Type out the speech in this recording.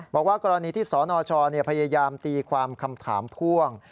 บอกว่ากรณีที่สนชพยายามตีความคำถามพ่วง